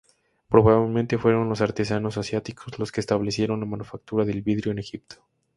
Probablemente fueron los artesanos asiáticos los que establecieron la manufactura del vidrio en Egipto.